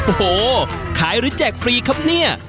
โอ้โหขายหรือแจกฟรีครับเนี่ย